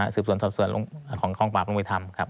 สืบส่วนสอบส่วนของคล่องปราบลงวิธรรมครับ